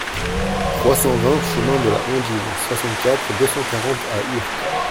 trois cent vingt chemin de la Hondine, soixante-quatre, deux cent quarante à Urt